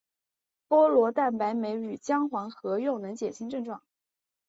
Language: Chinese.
菠萝蛋白酶与姜黄合用能减轻症状。